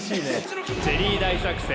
チェリー大作戦